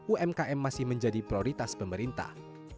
umkm masih menjadi prioritas pemerintah